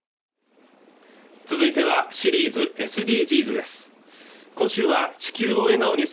続いてはシリーズ「ＳＤＧｓ」です